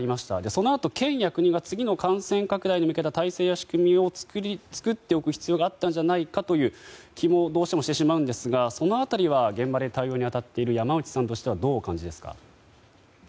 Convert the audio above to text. そのあと県や国は次の感染拡大に向けた仕組みを作っておく必要があったんじゃないかという気もどうしてもしてしまうんですがその辺りは現場で対応に当たっている山内さんとしてはどうお感じですか？